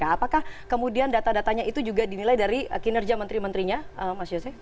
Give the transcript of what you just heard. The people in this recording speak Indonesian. apakah kemudian data datanya itu juga dinilai dari kinerja menteri menterinya mas yose